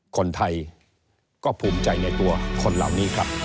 คนไทยก็ภูมิใจในตัวคนเหล่านี้ครับ